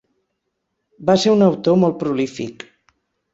Va ser un autor molt prolífic.